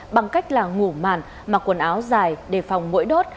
bằng cách là ngủ màn mặc quần áo dài đề phòng mũi đốt